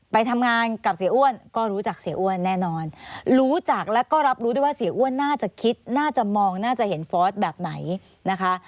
ไปทำงานกับเสียอ้วนก็รู้จักเสียอ้วนแน่นอนรู้จักแล้วก็รับรู้ได้ว่าเสียอ้วนน่าจะคิดน่าจะมองน่าจะเห็นฟอสแบบไหนนะคะ